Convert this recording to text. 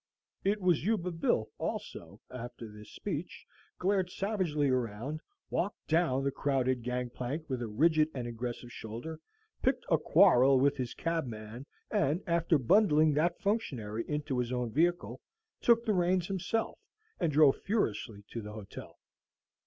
It was Yuba Bill, also, after this speech, glared savagely around, walked down the crowded gang plank with a rigid and aggressive shoulder, picked a quarrel with his cabman, and, after bundling that functionary into his own vehicle, took the reins himself, and drove furiously to his hotel.